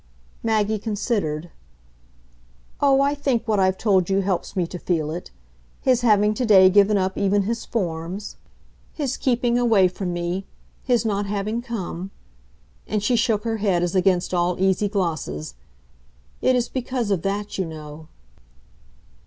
Maggie considered. "Oh, I think what I've told you helps me to feel it. His having to day given up even his forms; his keeping away from me; his not having come." And she shook her head as against all easy glosses. "It is because of that, you know."